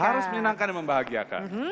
harus menyenangkan dan membahagiakan